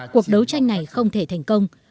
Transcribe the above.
cuộc đấu tranh này không thể thành công